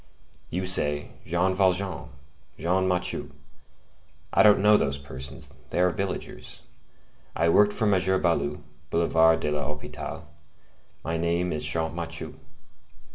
You say, Jean Valjean, Jean Mathieu! I don't know those persons; they are villagers. I worked for M. Baloup, Boulevard de l'Hôpital; my name is Champmathieu.